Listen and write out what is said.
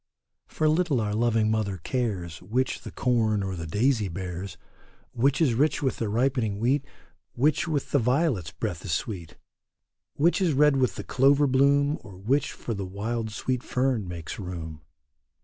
For little our loving mother cares Which the corn or the daisy bears, Which is rich with the ripening wheat. Which with the violet's breath is sweet, Which is red with the clover bloom, Or which for the wild sweet fern makes room.